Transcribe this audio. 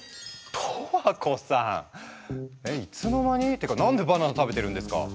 永遠子さんいつの間に⁉てか何でバナナ食べてるんですか！